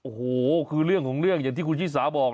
โอ้โหคือเรื่องของเรื่องอย่างที่คุณชิสาบอก